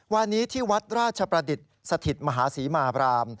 วันนี้ที่วัดราชประดิษฐ์สถิตมหาศรีมาบราม